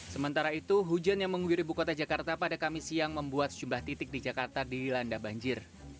sementara itu hujan yang mengguyur ibu kota jakarta pada kamis siang membuat sejumlah titik di jakarta dilanda banjir